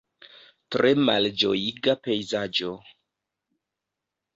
Tre malĝojiga pejzaĝo.